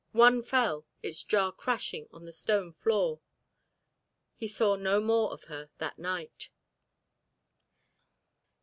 One fell, its jar crashing on the stone floor. He saw no more of her that night.